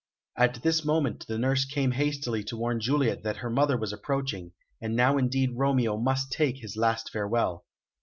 At this moment the nurse came hastily to warn Juliet that her mother was approaching, and now indeed Romeo must take his last farewell.